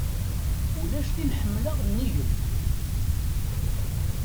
Ulac tin ḥemleɣ nnig-m.